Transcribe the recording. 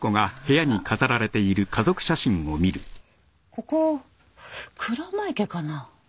ここ鞍馬池かな？